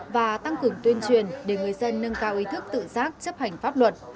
và tăng cường tuyên truyền để người dân nâng cao ý thức tự giác chấp hành pháp luật